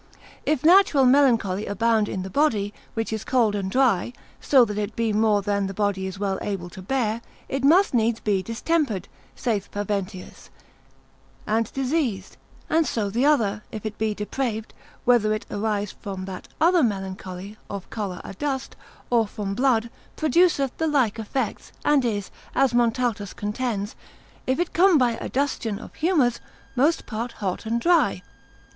If natural melancholy abound in the body, which is cold and dry, so that it be more than the body is well able to bear, it must needs be distempered, saith Faventius, and diseased; and so the other, if it be depraved, whether it arise from that other melancholy of choler adust, or from blood, produceth the like effects, and is, as Montaltus contends, if it come by adustion of humours, most part hot and dry.